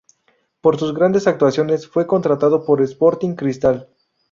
Por sus grandes actuaciones fue contratado por Sporting Cristal.